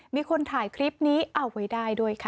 มีคนถ่ายคลิปนี้เอาไว้ได้ด้วยค่ะ